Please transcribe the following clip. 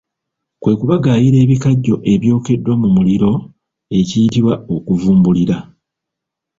Kwe kubagaayira ebikajjo ebyokeddwako mu muliro ekiyitibwa okuvumbulira.